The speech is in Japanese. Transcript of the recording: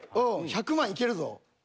うん１００万いけるぞ。